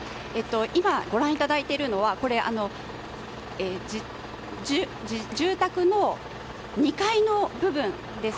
今、ご覧いただいているのは住宅の２階の部分です。